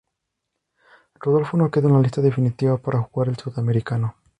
Rodolfo no quedó en la lista definitiva para jugar el Sudamericano.